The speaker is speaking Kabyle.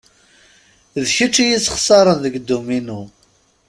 D kečč iyi-sexsaren deg dduminu.